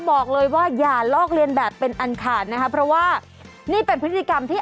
บอกเลยว่าอย่าลอกเลียนแบบเป็นอันขาดนะคะเพราะว่านี่เป็นพฤติกรรมที่